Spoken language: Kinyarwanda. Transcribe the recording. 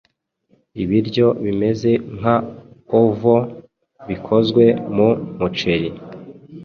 Ibiryo bimeze nka Oval bikozwe mu muceri